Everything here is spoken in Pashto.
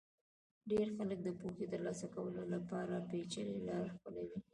ډېر خلک د پوهې ترلاسه کولو لپاره پېچلې لار خپلوي.